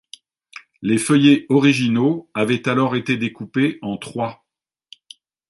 Les feuillets originaux avaient alors été découpés en trois.